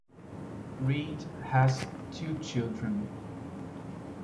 Reid has two children.